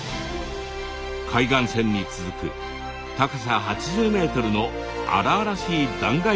海岸線に続く高さ８０ｍの荒々しい断崖絶壁。